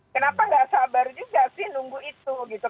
kenapa nggak sabar juga sih nunggu itu gitu